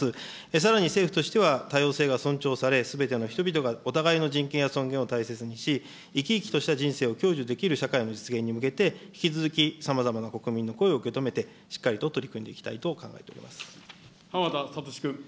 さらに、政府としては多様性が尊重され、すべての人々がお互いの人権や尊厳を大切にし、生き生きとした人生を享受できる社会の実現に向けて、引き続き、さまざまな国民の声を受け止めて、しっかりと取り組んでいきたいと考えて浜田聡君。